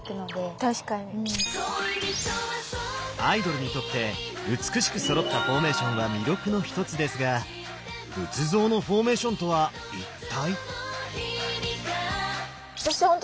アイドルにとって美しくそろったフォーメーションは魅力の一つですが仏像のフォーメーションとは一体？